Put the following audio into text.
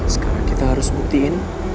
sekarang kita harus buktiin